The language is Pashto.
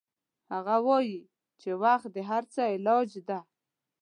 هغه وایي چې وخت د هر څه علاج ده